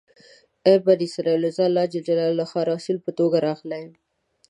ای بني اسرایلو! زه الله جل جلاله لخوا رسول په توګه راغلی یم.